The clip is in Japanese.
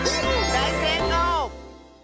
だいせいこう！